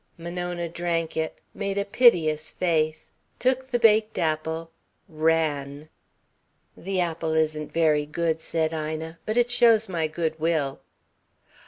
Monona drank it, made a piteous face, took the baked apple, ran. "The apple isn't very good," said Ina, "but it shows my good will."